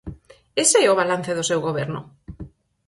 ¡Ese é o balance do seu goberno!